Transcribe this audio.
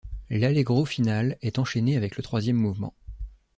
L'Allegro final est enchaîné avec le troisième mouvement.